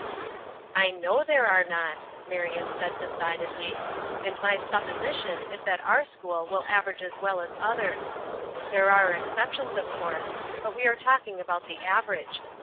"I know there are not," Marion said, decidedly. "And my supposition is that our school will average as well as others. There are exceptions, of course, but we are talking about the average.